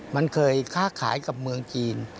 มันเคยค้าขายกับเมืองจีน